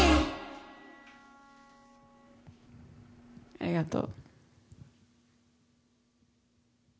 ありがとう。